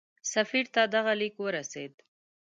سفیر دغه لیک ورته ورسېد.